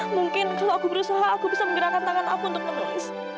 mungkin kalau aku berusaha aku bisa menggerakkan tangan aku untuk menulis